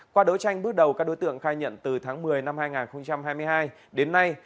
qua đấu tranh bước đầu các đối tượng khai nhận từ tháng một mươi năm hai nghìn hai mươi hai đến nay